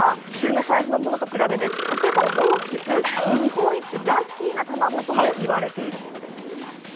普通のサイズのものと比べてとても大きく日本一ラッキーな卵とも言われているものです。